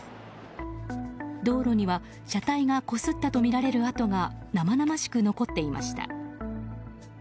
道路には車体がこすったとみられる跡が生々しく残っていました。